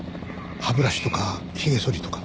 歯ブラシとか髭剃りとか。